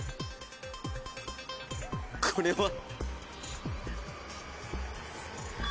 これは！